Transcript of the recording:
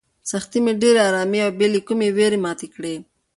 سختۍ مې په ډېرې ارامۍ او بې له کومې وېرې ماتې کړې.